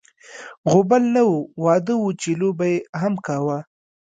غوبل نه و، واده و چې لو به یې هم کاوه.